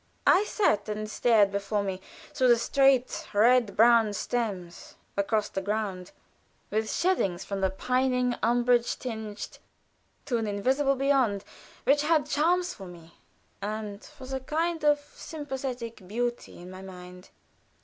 I sat and stared before me through the straight red brown stems across the ground, "With sheddings from the pining umbrage tinged," to an invisible beyond which had charms for me, and was a kind of symphonic beauty in my mind.